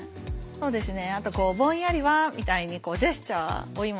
そうですね。